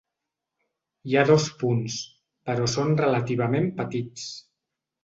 Hi ha dos punts, però són relativament petits.